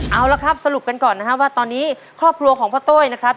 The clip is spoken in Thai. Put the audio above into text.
เอาละครับสรุปกันก่อนนะครับว่าตอนนี้ครอบครัวของพ่อโต้ยนะครับ